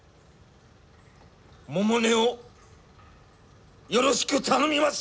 百音をよろしく頼みます。